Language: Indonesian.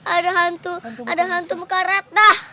ada hantu ada hantu bukarata